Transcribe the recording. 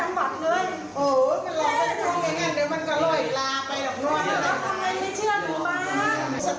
ให้รูปรีโจยเห็ดแฮวให้ม่ายรูปศัพท์ให้อีกซัก